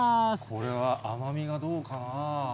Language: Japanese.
これは甘みがどうかな。